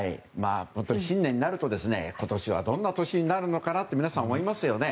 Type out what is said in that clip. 新年になると今年はどんな年になるのかなと皆さん、思いますよね。